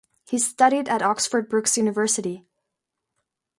He studied at Oxford Brookes University.